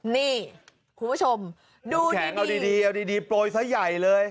นี่คุณผู้ชมดูดีเอาดีโปรยซะใหญ่เลย